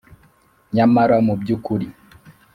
Nyamara mu by ukuri